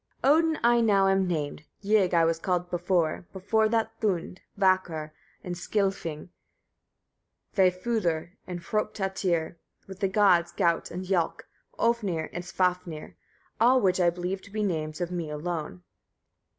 54. Odin I now am named, Ygg I was called before, before that, Thund, Vakr and Skilfing, Vâfudr and Hrôptatyr, with the gods, Gaut and Jâlk, Ofnir and Svafnir, all which I believe to be names of me alone.